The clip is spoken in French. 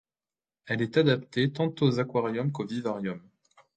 Elle est adaptée tant aux aquariums qu'aux vivariums.